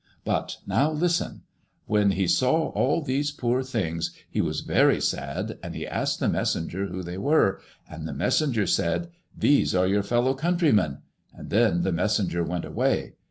But now, listen. When he saw all these poor things, he was very sad, and he asked the messenger who they were, and the messenger said: •These are your fellow country men ;' and then the messenger went away.